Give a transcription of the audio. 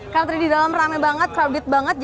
karena tadi di dalam ramai banget crowded banget